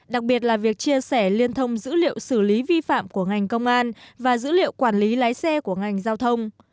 đặc biệt là việc chia sẻ liên thông dữ liệu xử lý vi phạm của ngành công an và dữ liệu quản lý lái xe của ngành giao thông